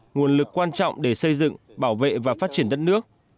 nguồn lực quan trọng để xây dựng bảo vệ và phát triển đất nước